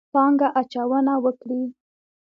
پانګه اچونه وکړي.